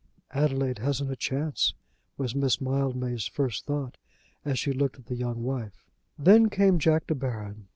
"Adelaide hasn't a chance," was Miss Mildmay's first thought as she looked at the young wife. Then came Jack De Baron.